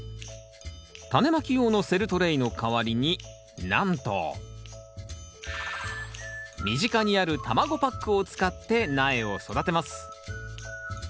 タネまき用のセルトレイの代わりになんと身近にある卵パックを使って苗を育てます。